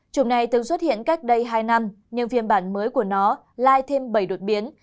chủng này từng xuất hiện cách đây hai năm nhưng phiên bản mới của nó lai thêm bảy đột biến